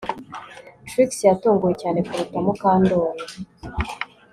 Trix yatunguwe cyane kuruta Mukandoli